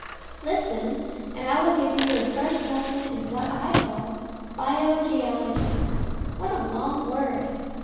Listen, and I will give you your first lesson in what I call Bio geology. What a long word!